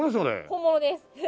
本物です。